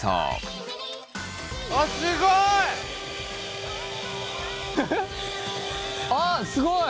すごい！ああすごい！